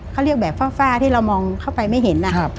เขาเรียกแบบฟ้าที่เรามองเข้าไปไม่เห็น